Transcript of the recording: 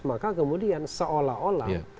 maka kemudian seolah olah